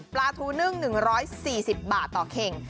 ปลาทูนึ่ง๑๔๐บาทต่อเข่ง